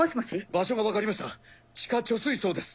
場所が分かりました地下貯水槽です！